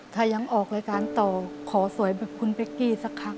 ถ้ายังออกรายการต่อขอสวยแบบคุณเป๊กกี้สักครั้ง